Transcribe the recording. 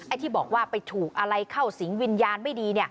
ที่บอกว่าไปถูกอะไรเข้าสิงวิญญาณไม่ดี